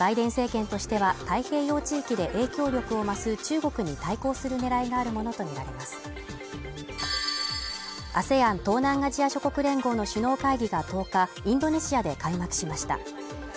バイデン政権としては太平洋地域で影響力を増す中国に対抗する狙いがあるものとみられますＡＳＥＡＮ＝東南アジア諸国連合の首脳会議が１０日、インドネシアで開幕しました。